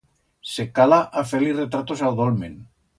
Se cala a fer-li retratos a o dolmen.